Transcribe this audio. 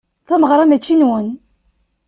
Tameɣra-a mačči nwen.